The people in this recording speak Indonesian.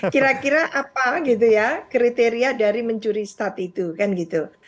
kira kira apa gitu ya kriteria dari mencuri start itu kan gitu